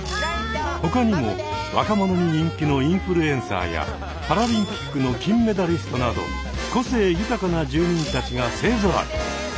他にも若者に人気のインフルエンサーやパラリンピックの金メダリストなど個性豊かな住人たちが勢ぞろい。